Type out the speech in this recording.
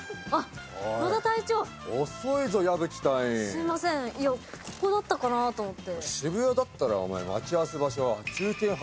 すみません、ここだったかなと思って。